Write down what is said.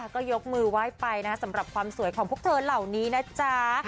ก็ยกมือไหว้ไปนะสำหรับความสวยของพวกเธอเหล่านี้นะจ๊ะ